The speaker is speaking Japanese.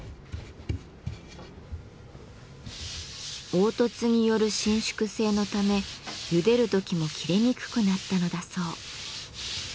凹凸による伸縮性のためゆでる時も切れにくくなったのだそう。